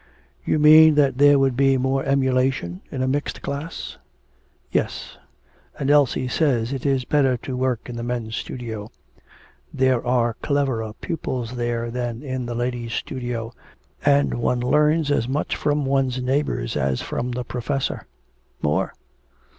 'You mean that there would be more emulation in a mixed class?' 'Yes; and Elsie says it is better to work in the men's studio. There are cleverer pupils there than in the ladies' studio, and one learns as much from one's neighbours as from the professor; more.'